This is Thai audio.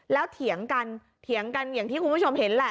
แล้วเถียงกันอย่างที่คุณผู้ชมเห็นล่ะ